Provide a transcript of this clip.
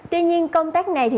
tuy nhiên công tác này